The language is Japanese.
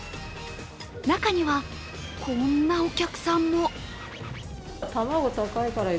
中には、こんなお客さんも。